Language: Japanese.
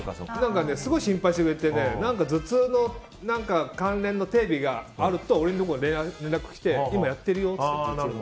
すごい心配してくれて頭痛の関連のテレビがあると俺のところに連絡が来て今やってるよって。